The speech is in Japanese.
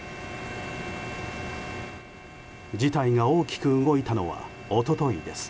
事態が大きく動いたのは一昨日です。